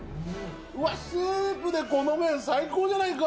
うわっ、スープでこの麺、最高じゃないか。